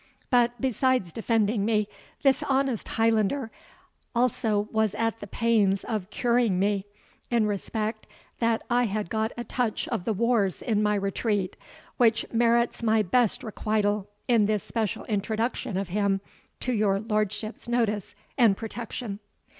But besides defending me, this honest Highlander also was at the pains of curing me, in respect that I had got a touch of the wars in my retreat, which merits my best requital in this special introduction of him to your lordship's notice and protection."